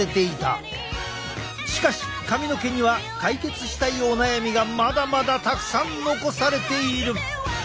しかし髪の毛には解決したいお悩みがまだまだたくさん残されている。